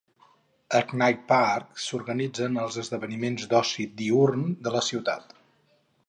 A Knight Park s"organitzen els esdeveniments d"oci diürn de la ciutat.